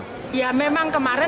nanti kita lihat ini kan belum selesai